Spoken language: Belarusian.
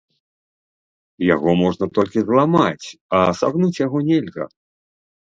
Яго можна толькі зламаць, а сагнуць яго нельга.